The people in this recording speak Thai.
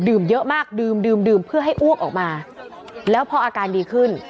เยอะมากดื่มดื่มเพื่อให้อ้วกออกมาแล้วพออาการดีขึ้น